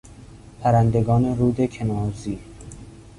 پرندگان رود کنارزی